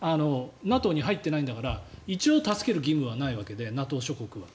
ＮＡＴＯに入っていないんだから一応、助ける義務はないわけでＮＡＴＯ諸国は。